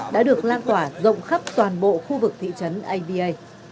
đã được lan tỏa rộng khắp toàn bộ khu vực thị trấn aba